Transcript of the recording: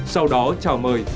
sau đó chào mời